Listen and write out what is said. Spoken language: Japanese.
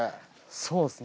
そうですね